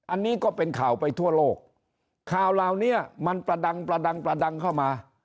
อันนี้ก็เป็นข่าวไปทั่วโลกข่าวเหล่านี้มันประดังเข้ามา